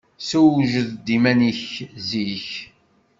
Sewjed-d iman-ik zik.